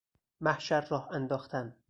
محشر راه انداختن